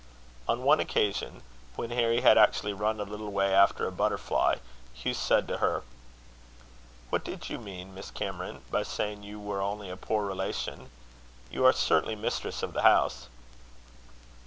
On one occasion, when Harry had actually run a little way after a butterfly, Hugh said to her: "What did you mean, Miss Cameron, by saying you were only a poor relation? You are certainly mistress of the house."